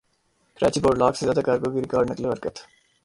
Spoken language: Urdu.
کراچی پورٹ لاکھ سے زائد کارگو کی ریکارڈ نقل وحرکت